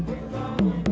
bagie satu lagi